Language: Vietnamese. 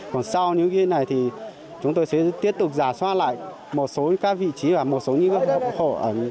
còn sau những cái này thì chúng tôi sẽ tiếp tục giả soát lại một số các vị trí và một số những khổ